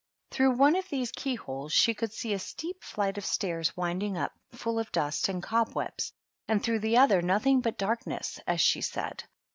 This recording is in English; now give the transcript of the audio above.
Through one of these key holes she could see a steep flight of stairs winding up, full of dust and cobwebs, and through the other nothing but darkness, as she said.